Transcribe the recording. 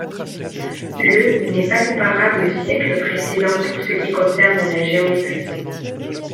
Le n'est pas comparable au siècle précédent pour ce qui concerne la géométrie.